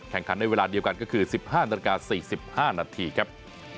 แข่งขันในเวลาเดียวกันก็คือ๑๕นาฬิกา๔๕นาทีครับ